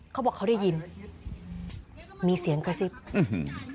เขาบอกเขาได้ยินมีเสียงกระซิบอื้อหือ